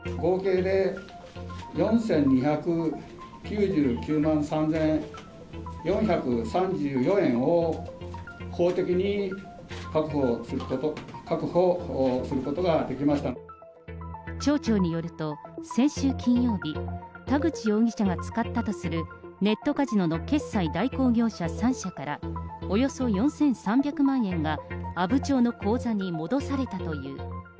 合計で４２９９万３４３４円を法的に確保することができまし町長によると、先週金曜日、田口容疑者が使ったとするネットカジノの決済代行業者３社から、およそ４３００万円が阿武町の口座に戻されたという。